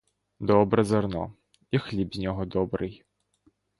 Добре зерно, і хліб з нього добрий.